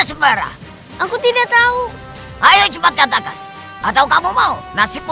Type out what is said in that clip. semarah aku tidak tahu ayo cepat katakan atau kamu mau nasib